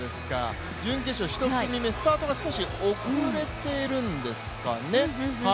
準決勝１組目スタートが少し遅れているんですかね。